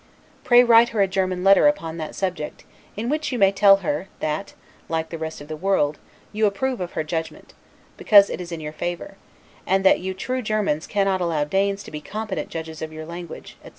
Pray write her a German letter upon that subject, in which you may tell her, that, like the rest of the world, you approve of her judgment, because it is in your favor; and that you true Germans cannot allow Danes to be competent judges of your language, etc.